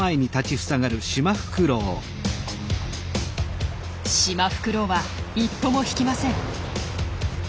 シマフクロウは一歩も引きません。